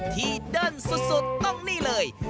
ทีเดินสุดต้องนี่เลย